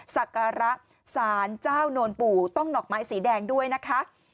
ศักระสารเจ้าโนนปู่ต้องดอกไม้สีแดงด้วยนะคะ